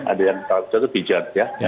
ada yang tahu pijat ya